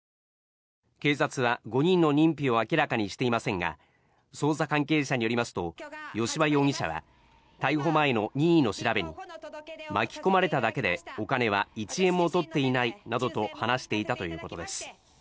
警察は５人の認否を明らかにしていませんが捜査関係者によりますと吉羽容疑者は逮捕前の任意の調べに巻き込まれただけでお金は１円も取っていないなどと話していたということです。